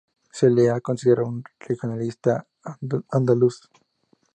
Se le ha considerado un regionalista andaluz.